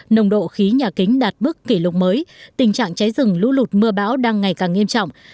nồng độ khí nhà kính đạt mức kỷ lục mới tình trạng cháy rừng lũ lụt mưa bão đang ngày càng nghiêm trọng